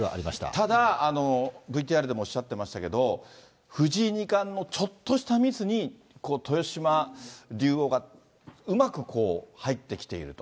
ただ、ＶＴＲでもおっしゃっていましたけど、藤井二冠のちょっとしたミスに、豊島竜王がうまく入ってきていると。